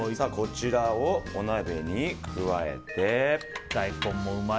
こちらをお鍋に加えて。